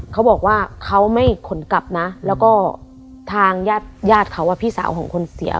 เขาบอกว่าเขาไม่ขนกลับนะแล้วก็ทางญาติญาติเขาพี่สาวของคนเสีย